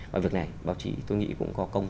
và việc này báo chí tôi nghĩ cũng có công